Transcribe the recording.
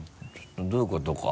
どういうことか。